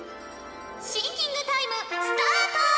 シンキングタイムスタート！